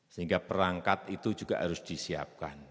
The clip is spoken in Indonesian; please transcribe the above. sehingga perangkat itu juga harus disiapkan